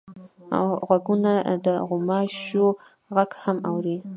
غوږونه د غوماشو غږ هم اوري